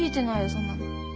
そんなの。